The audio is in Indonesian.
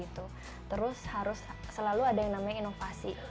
terus harus selalu ada yang namanya inovasi